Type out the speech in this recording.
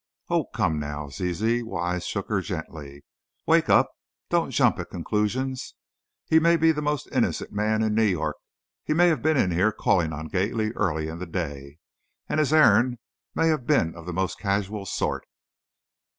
"Oh, come, now, Ziz," Wise shook her gently, "wake up! Don't jump at conclusions. He may be the most innocent man in New York. He may have been in here calling on Gately early in the day, and his errand may have been of the most casual sort.